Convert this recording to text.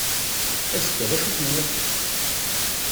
Azekka, d acu tenniḍ?